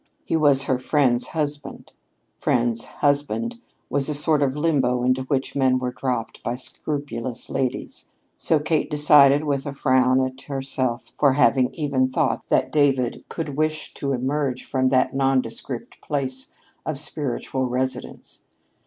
He was her friend's husband. "Friend's husband" was a sort of limbo into which men were dropped by scrupulous ladies; so Kate decided, with a frown at herself for having even thought that David could wish to emerge from that nondescript place of spiritual residence.